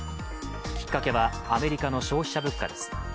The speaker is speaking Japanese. きっかけはアメリカの消費者物価です。